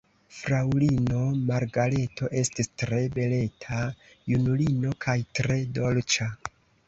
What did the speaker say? Fraŭlino Margareto estis tre beleta junulino kaj tre dolĉa.